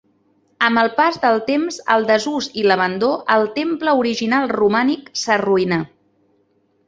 Amb el pas del temps, el desús i l'abandó, el temple original romànic s'arruïnà.